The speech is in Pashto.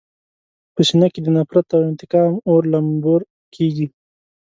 په سینه کې د نفرت او انتقام اور لمبور کېږي.